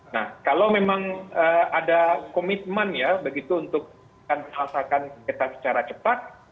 nah kalau memang ada komitmen ya begitu untuk merasakan sengketa secara cepat